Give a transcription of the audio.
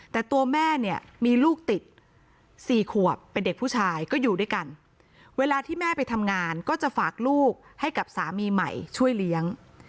แต่ตัวแม่เนี่ยมีลูกติด๔ขวบเป็นเด็กผู้ชายก็อยู่ด้วยกันเวลาที่แม่ไปทำงานก็จะฝากลูกให้กับสามีใหม่ช่วยเลี้ยง